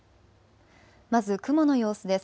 まず雲の様子です。